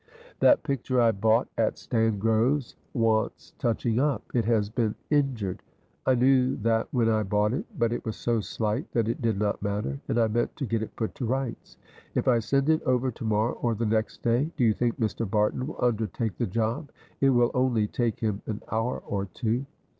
"That picture I bought at Stangrove's wants touching up; it has been injured; I knew that when I bought it; but it was so slight that it did not matter, and I meant to get it put to rights. If I send it over to morrow or the next day, do you think Mr. Barton will undertake the job? it will only take him an hour or two."